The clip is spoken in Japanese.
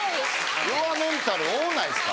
弱メンタル多ないですか。